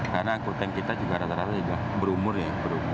karena angkuteng kita juga rata rata sudah berumur ya